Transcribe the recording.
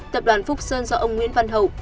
tập đoàn phúc sơn do ông nguyễn văn hậu